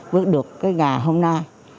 bước được cái nhà hôm nay